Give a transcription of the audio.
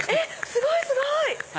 すごいすごい！